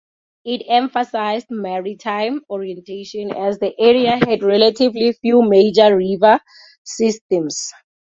It emphasized maritime orientation, as the area had relatively few major river systems.